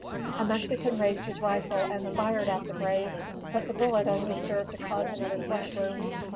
A Mexican raised his rifle and fired at the brave; but the bullet only served to cause another flesh wound.